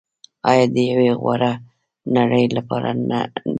آیا د یوې غوره نړۍ لپاره نه دی؟